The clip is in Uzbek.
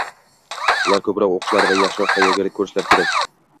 Ular ko'proq o'qishlari va yaxshiroq tayyorgarlik ko'rishlari kerak